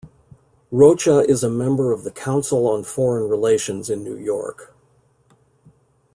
Rocha is a member of the Council on Foreign Relations in New York.